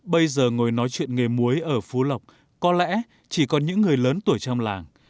bây giờ ngồi nói chuyện nghề muối ở phú lộc có lẽ chỉ còn những người lớn tuổi trong làng